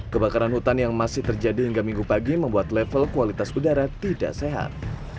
kebakaran hutan yang masih terjadi hingga minggu pagi membuat level kualitas udara tidak sehat